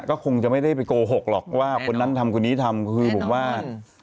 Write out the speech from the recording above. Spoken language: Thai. ก็คงจะไม่ได้ไปโกหกหรอกว่าคนนั้นทำคนนี้ทำคือผมว่า